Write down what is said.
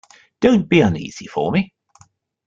Don't be uneasy for me!